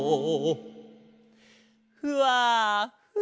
ふわふわ。